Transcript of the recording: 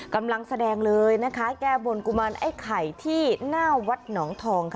กำลังแสดงเลยนะคะแก้บนกุมารไอ้ไข่ที่หน้าวัดหนองทองค่ะ